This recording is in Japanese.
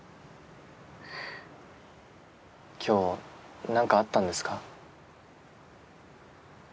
今日何かあったんですか？